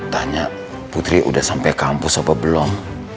tanya putri udah sampai kampus apa belum